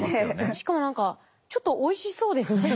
しかも何かちょっとおいしそうですね。